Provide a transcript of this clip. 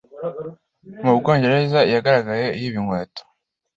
mubwongereza yagaragaye yiba inkweto